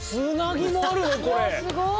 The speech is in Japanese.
すごい！